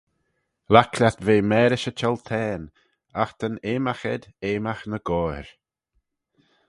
Laik lhiat ve marish y chioltane, agh ta'n eamagh ayd eamagh ny goair